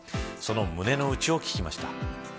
その胸の内を聞きました。